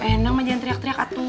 bu hersing mah harassment